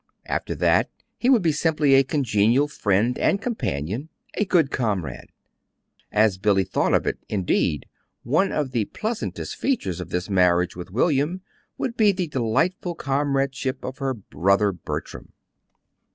After that he would be simply a congenial friend and companion a good comrade. As Billy thought of it, indeed, one of the pleasantest features of this marriage with William would be the delightful comradeship of her "brother," Bertram.